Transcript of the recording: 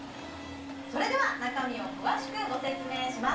それでは中身を詳しくご説明します